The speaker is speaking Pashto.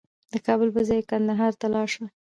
د کابل په ځای کندهار ته لاړ شه